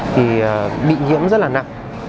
thì bị nhiễm rất là nặng